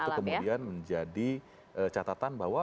itu kemudian menjadi catatan bahwa